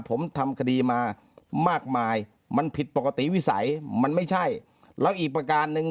ผมทำคดีมามากมายมันผิดปกติวิสัยมันไม่ใช่แล้วอีกประการหนึ่ง